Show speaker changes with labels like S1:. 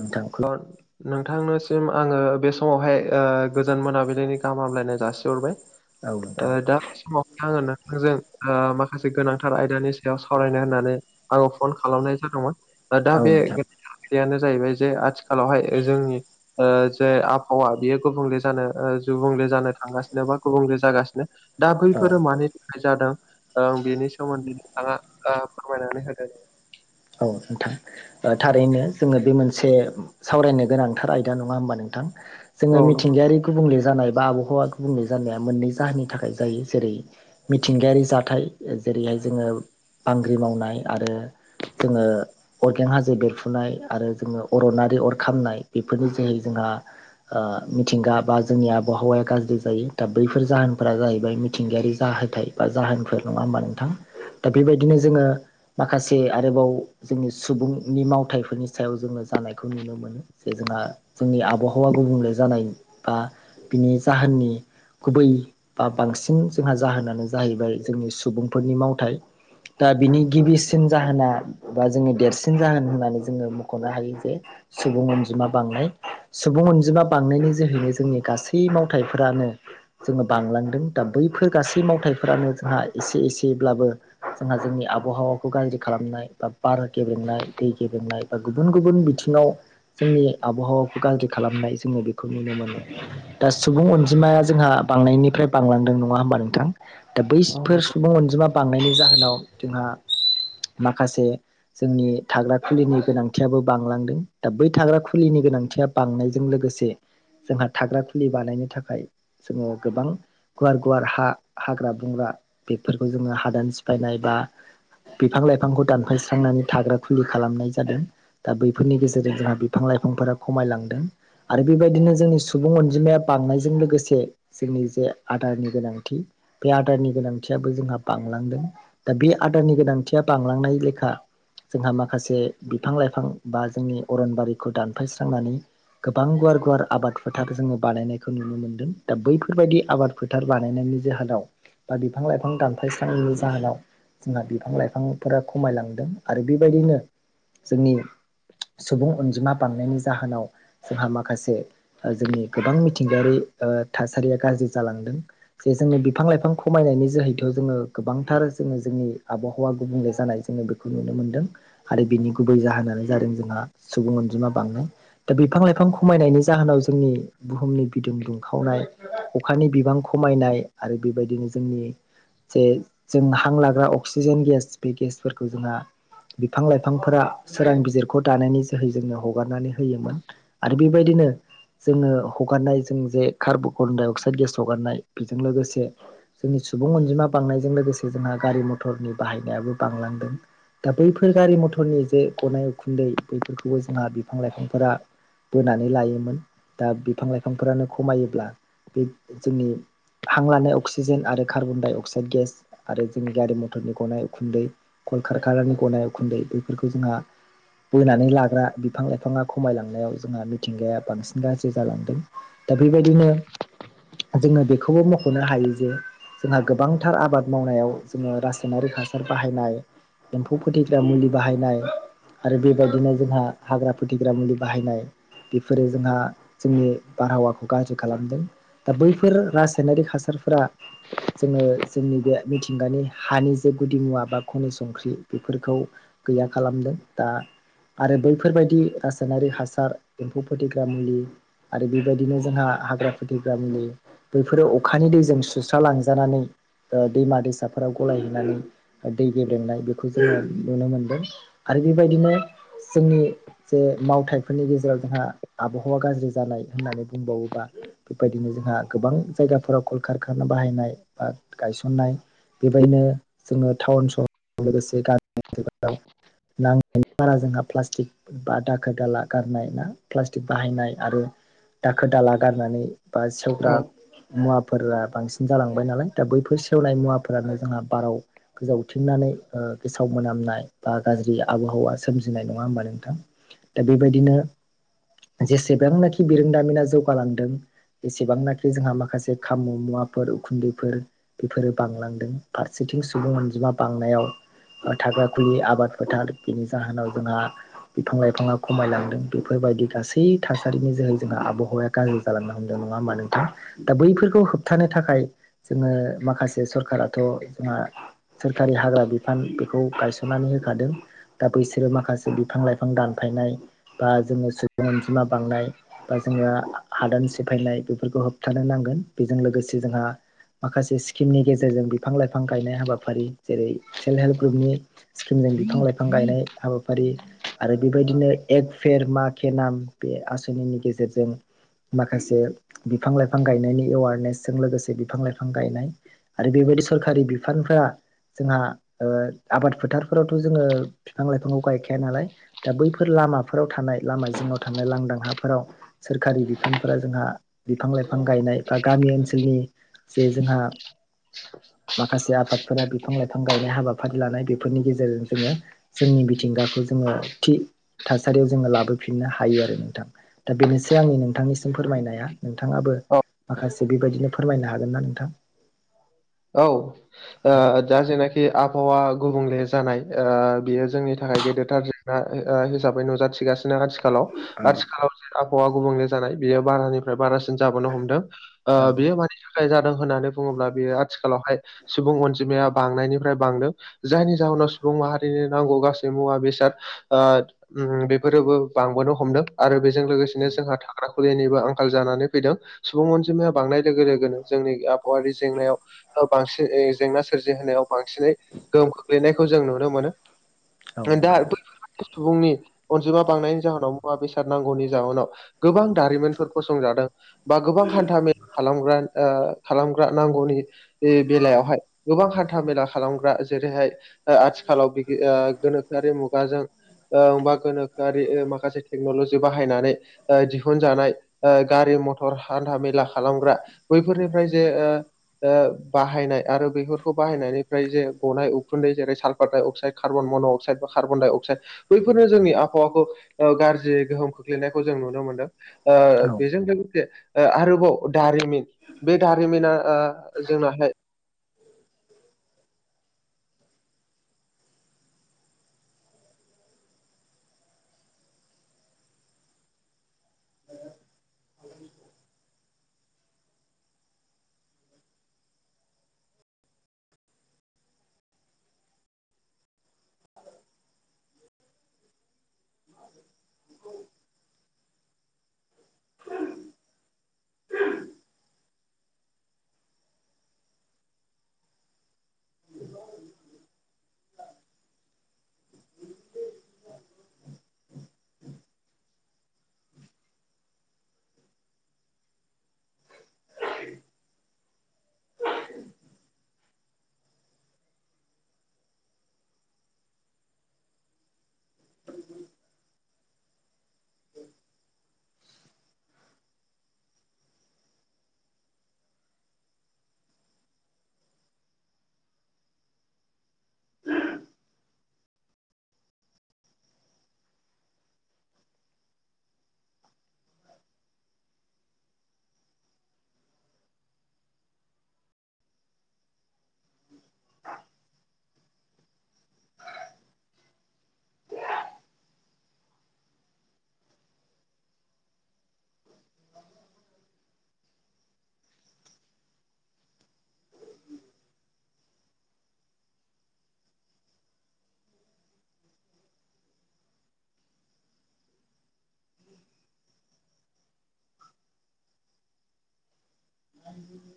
S1: नोंथां।
S2: [inaudible] नोंथांनोसिम आङो बे समावहाय ओ गोजोन मोनाबिलिनि गाहाम हामलायनाय जासिहरबाय।
S1: औ
S2: ओ
S1: नोंथां
S2: दा बे समावहाय आङो नोंथांजों ओ माखासे गोनांथार आयदानि सायाव सावरायनो होननानै आङो फन खालामनाय जादोंमोन दा दा
S1: औ नोंथां
S2: बेनो बे खोथायानो जाहैबाय जे आथिखालावहाय ओ जोंनि ओ जे आबहावा बियो गुबुंले जानो ओ गुबुंले जानो थांगासिनो बा गुबुंले जागासिनो। दा
S1: औ
S2: बैफोरो मानि थाखाय जादों ओ बेनि सोमोन्दै नोंथाङा ओ फोरमायनानै होदो।
S1: औ नोंथां। थारैनो जोङो बे मोनसे सावरायनो गोनांथार आयदा नङा होमबा नोंथां। जोङो
S2: औ नंगौ
S1: मिथिंगायारि गुबुंले जानाय बा आबहावा गुबुंले जानाया मोननै जाहोननि थाखाय जायो। जेरै मिथिंगायारि जाथाय जेरैहाय जोङो बांग्रि मावनाय आरो जोङो अरगें हाजो बेरफुनाय आरो जोङो अरनारि अर खामनाय बेफोरनि जोहै जोंहा ओ मिथिंगा बा जोंनि आबहावाया गाज्रि जायो। दा बैफोर जाहोनफोरा जाहैबाय मिथिंगायारि जाहोथाय बा जाहोनफोर नङा होमबा नोंथां दा बेबायदिनो जोङो माखासे आरोबाव जोंनि सुबुंनि मावथाइफोरनि सायाव जोङो जानायखौ नुनो मोनो। जे जोंहा जोंनि आबहावा गुबुंले जानाय बा बिनि जाहोननि गुबै बा बांसिन जोंहा जाहोनानो जाहैबाय जोंनि सुबुंफोरनि मावथाय दा बिनि गिबिसिन जाहोना बा जोङो देरसिन जाहोन होननानै जोङो मख'नो हायो जे सुबुं अनजिमा बांनाय। सुबुं अनजिमा बांनायनि जोहैनो जोंनि गासै मावथायइफोरानो जोङो बांलांदों दा बैफोर गासै मावथायाइफोरानो जोंहा एसे एसेब्लाबो जोंहा जोंनि आबहावाखौ गाज्रि खालामनाय बा बार गेब्रेंनाय दै गेब्रेंनाय बा गुबुन गुबुन बिथिङाव जोंनि आबहावाखौ गाज्रि खालामनाय जोङो बेखौ नुनो मोनो। दा सुबुं अनजिमाया जोंहा बांनायनिफ्राय बांलांदों नङा होमबा नोंथां दा
S2: औ
S1: बैफोर
S2: नंगौ
S1: सुबुं अनजिमा बांनायनि जाहोनाव जोंहा माखासे जोंनि थाग्रा खुलिनि गोनांथियाबो बांलांदों दा बै थाग्रा खुलिनि गोनांथिया बांनायजों लोगोसे जोंहा थाग्रा खुलि बानायनो थाखाय जोङो गोबां गुवार गुवार हा हाग्रा बंग्रा बेफोरखौ जोङो हादान सिफायनाय बा बिफां लाइफांखौ दानफायस्रांनानै थाग्रा खुलि खालामनाय जादों दा बैफोरनि गेजेरजों जोंहा बिफां लाइफांफोरा खमायलांदों आरो बेबायदिनो जोंनि सुबुं अनजिमाया बांनायजों लोगोसे जोंनि जे आदारनि गोनांथि बे आदारनि गोनांथियाबो जोंहा बांलांदों दा बे आदारनि गोनांथिया बांलांनाय लेखा जोंहा माखासे बिफां लाइफां बा जोंनि अरनबारिखौ दानफायस्रांनानै गोबां गुवार गुवार आबाद फोथार जोङो बानायनायखौ नुनो मोनदों दा बैफोरबायदि आबाद फोथार बानायनायनि जाहोनाव बा बिफां लाइफां दानफायस्रांनायनि जाहोनाव जोंहा बिफां लाइफांफोरा खमायलांदों आरो बेबायदिनो जोंनि सुबुं अनजिमा बांनायनि जाहोनाव जोंहा माखासे ओ जोंनि गोबां मिथिंगायारि ओ थासारिया गाज्रि जालांदों जे जोङो बिफां लाइफां खमायनायनि जोहैथ' जोङो गोबांथार जोङो जोंनि आबहावा गुबुंले जानाय जोङो बेखौ नुनो मोनदों आरो बिनि गुबै जाहोनानो जादों जोंहा सुबुं अनजिमा बांनाय- दा बिफां लाइफां खमायनायनि जाहोनाव जोंनि बुहुमनि बिदुं दुंखावनाय अखानि बिबां खमायनाय आरो बेबायदिनो जोंनि। जे जों हां लाग्रा अक्सिजेन गेस बे गेसफोरखौ जोंहा बिफां लाइफांफोरा सोरां बिजिरखौ दानायनि जोहै जोंनो हगारनानै होयोमोन- आरो बेबायदिनो जोङो हगारनाय जों जे कार्बकन दडाइ अक्साइद गेस हगारनाय बेजों लोगोसे जोंनि सुबुं अनजिमा बांनायजों लोगोसे जोंहा गारि मथरनि बाहायनायाबो बांलांदों दा बैफोर गारि मथरनि जे गनाय उखुन्दै बैफोरखौबो जोंहा बिफां लाइफांफोरा बोनानै लायोमोन दा बिफां लाइफांफोरानो खमायोब्ला बे जोंनि हां लानाय अक्सिजेन आरो कार्बन डाइ अक्साइड गेस आरो जोंनि गारि मथरनि गनाय उखुन्दै कलकार खाना गनाय उखुन्दै बेफोरखौ जोंहा बोनानै लाग्रा बिफां लाइफाङा खमायलांनायाव जोंहा मिथिंगाया बांसिन गाज्रि जालांदों दा बेबायदिनो जोङो बेखौबो मख'नो हायो जे जोंहा गोबांथार आबाद मावनायाव जोङो रासायनारिक हासार बाहायनाय। एम्फौ फोथैग्रा मुलि बाहायनाय। आरो बेबायदिनो जोंहा हाग्रा फोथिग्रा मुलि बाहायनाय बेफोरो जोंहा जोंनि बारहावाखौ गाज्रि खालामदों दा बैफोर रासायनारिक हासारफोरा जोङो जोंनि बे मिथिंगानि हानि जे गुदि मुवा बा खनिस संख्रि बेफोरखौ गैया खालामदों दा आरो बैफोरबायदि रासायनारि हासार एम्फौ फोथग्रा मुलि आरो बेबायदिनो जोंहा हाग्रा फोथिग्रामुलि बैफोरो अखानि दैजों सुस्रा लांजानानै ओ दैमा दैसाफोराव गलायहैनानै दै गेब्रेंनाय बेखौ जोङो नुनो मोनदों आरो बेबायदिनो जोंनि जे मावथाइफोरनि गेजेराव जोंहा आबहावा गाज्रि जानाय होननानै बुंबावोबा बेबायदिनो जोंहा गोबां जायगाफोराव कल खारखाना बाहायनाय बा गायसननाय बेबायदिनो जोङो टाउन सहराव लोगोसे गामि ओनसोलाव नाङनो [unintelligible] बारा जोंहा प्लास्टिक बा दाखोर दाला गारनाय ना प्लास्टिक बाहायनाय आरो दाखोर दाला गारनानै बा
S2: औ
S1: सौदाब मुवाफोरा बांसिन जालांबाय नालाय दा बैफोर सेवनाय मुवाफोरानो जोंहा बाराव गोजावथिंनानै ओ थाव मोनामनाय बा गाज्रि आबहावा सोमजिनाय नङा होमबा नोंथां दा बेबायदिनो जेसेबांनाखि बिरोंदामिना जौगालांदों एसेबांनाखि जोंहा माखासे खाम' मुवाफोर उखुन्दैफोर बेफोरो बांलांदों फारसेथिं सुबुं अनजिमा बांनायाव बा थाग्रा खुलिु आबाद फोथार बिनि जाहोनाव जोंहा बिफां लाइफाङा खमायलांदों बेफोरबायदि गासै थासारिनि जोहै जोंहा आबहावाया गाज्रि जालांनो हमदों नङा होमबा नोंथां दा बैफोरखौ होबथानो थाखाय जोङो माखासे सरखाराथ' जोंहा सोरखारि हाग्रा बिफान बेखौ गायसननानै होखादों दा बैसोरो माखासे बिफां लाइफां दानफायनाय बा जोङो सुबुं अनजिमा बांनाय बा जोङो हादान सेफायनाय बेफोरखौ होबथानो नांगोन बेजों लोगोसे जोंहा माखासे स्किमनि गेजेरजों बिफां लाइफां गायनाय हाबाफारि जेरै सेल्फ हेल्प ग्रुपनि स्किमजों बिफां लाइफां गायनाय हाबाफारि आरो बेबायदिनो एक फेर मा के नाम बे आसनिनि गेजेरजों माखासे बिफां लाइफां गायनायनि एवारनेसजों लोगोसे बिफां लाइफां गायनाय आरो बेबायदि सरकारि बिफानफ्रा जोंहा ओ आबाद फोथारफोरावथ' जोङो बिफां लाइफांखौ गायखाया नालाय दा बैफोर लामाफोराव थानाय लामा जिङाव थानाय लांदां हाफोराव सोरखारि बिफानफोरा जोंहा बिफां लाइफां गायनाय बा गामि ओनसोलनि जे जोंहा माखासे आफादफोरा बिफां लाइफां गायनाय हाबाफारि लानाय बेफोरनि गेजेरजों जोङो। जोंनि मिथिंगाखौ जोङो थि थासारियाव जोङो लाबोफिननो हायो आरो नोंथां दा बेनोसै आंनि नोंथांनिसिम फोरमायनाया नोंथाङाबो
S2: औ
S1: माखासे बेबायदिनो फोरमायनो हागोनना नोंथां?
S2: औ ओ
S1: औ
S2: दा जेनाखि आबहावा। गुबुंले जानाय ओ बियो जोंनि थाखाय गेदेरथार जेंना ओ हिसाबै नुजाथिगासिनो आथिखालाव आथिखालाव जे आबहावा गुबुंले जानाय बियो बारानिफ्राय बारासिन जाबोनो हमदों ओ
S1: औ
S2: बेयो मानि थाखाय जादों होननानै बुङोब्ला बियो आथिखालावहाय सुबुं अनजिमाया बांनायनिफ्राय बांदों जायनि जाहोनाव सुबुं माहारिनि नांगौ गासै मुवा बेसाद ओ ओम बेफोरोबो बांबोनो हमदों आरो बे जों लोगोसेनो जोंहा थाग्रा खुलिनिबो आंखाल जानानै फैदों सुबुं अनजिमाया बांनाय लोगो लोगोनो जोंनि आबहावारि जेंनायाव ओ बांसिन ऐ जेंना सोरजिहोनायाव बांसिनै गोहोम खोख्लैनायखौ जों नुनो मोनो
S1: औ
S2: दा
S1: नंगौ
S2: [unintelligible] सुबुंनि अनजिमा बांनायनि जाहोनाव मुवा बेसाद नांगौनि जाहोनाव गोबां दारिमिनफोर फसंजादों बा गोबां हान्था मेला खालामग्रा ओ खालामग्रा नांगौनि बे बेलायावहाय गोबां हान्था मेला खालामग्रा जेरैहाय ओ आथिखालाव बिगि ओ गोनोखोआरि मुगाजों। ओं बा गोनोखोआरि ओ‌ माखासे टेक्न'लजि बाहायनानै ओ दिहुनजानाय ओ गारि मथर हान्था मेला खालामग्रा बैफोरनिफ्राय जे ओ ओ बाहायनाय आरो बेफोरखौ बाहायनायनिफ्राय जे गनाय उखुन्दै जेरै साल्फार डाइ अक्साइड कार्बन मन' अक्साइड बा कार्बडाइ अक्साइड बैफोरनो जोंनि आबहावाखौ ओ गाज्रि गोहोम खोख्लैनायखौ जों नुनो मोनदों ओ
S1: औ
S2: बेजों लोगोसे ओ आरोबाव दारिमिन बे दारिमिना ओ जोंना [unintelligible]
S1: [inaudible]